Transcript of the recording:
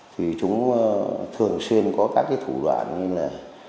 thì chúng thường xuyên có các cái thủ đoạn như là